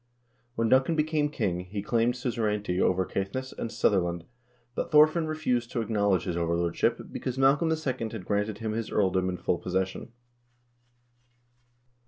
When Duncan became king, he claimed suzerainty over Caithness and Sutherland, but Thorfinn refused to acknowledge his overlordship, because Malcolm II. had granted him this earldom in full posses sion.